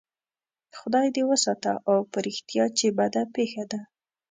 خدای دې وساته او په رښتیا چې بده پېښه ده.